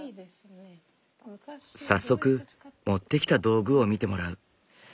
早速持ってきた道具を見てもらう。